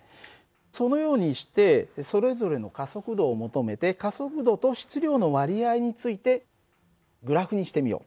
そのようにしてそれぞれの加速度を求めて加速度と質量の割合についてグラフにしてみよう。